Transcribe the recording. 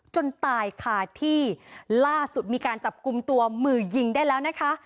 จนตายค่ะที่ล่าสุดมีการจับกลุ่มตัวมือยิงได้แล้วนะคะ